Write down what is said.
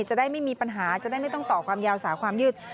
จะได้ไม่มีปัญหาจะได้ไม่ต้องต่อความยาวสาวความยืด